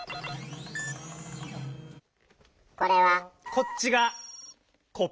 こっちが「コップ」。